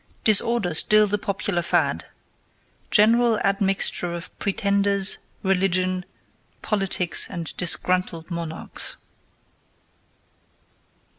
DISORDER STILL THE POPULAR FAD: GENERAL ADMIXTURE OF PRETENDERS, RELIGION, POLITICS, AND DISGRUNTLED MONARCHS.